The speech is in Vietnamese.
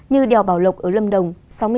như đèo bảo lộc ở lâm đồng